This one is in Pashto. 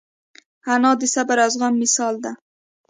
انا د صبر او زغم مثال ده